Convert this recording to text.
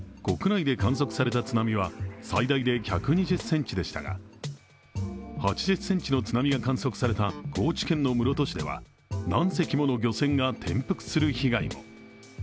国内で観測された津波は、最大で１２０ｃｍでしたが、８０ｃｍの津波が観測された高知県室戸市では何隻もの漁船が転覆する事態も。